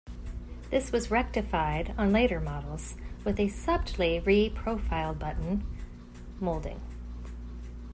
This was rectified on later models with a subtly re-profiled button moulding.